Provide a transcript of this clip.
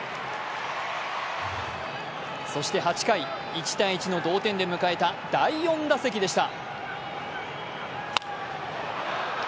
そして８回、１−１の同点で迎えた第４打席でした。